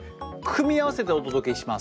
組み合わせてお届けします。